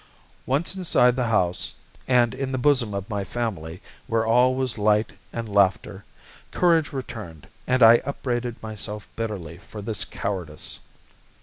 Once inside the house, and in the bosom of my family, where all was light and laughter, courage returned, and I upbraided myself bitterly for this cowardice.